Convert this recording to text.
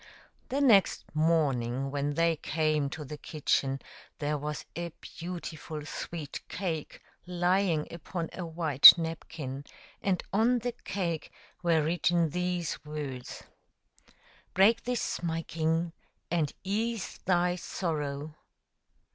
The next morning when they came to the kitchen there was a beautiful sweet cake lying upon a white napkin, and on the cake were written these words :" Break this, my king, and ease thy sorrow."